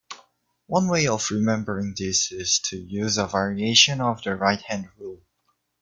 One way of remembering this is to use a variation of the right-hand rule.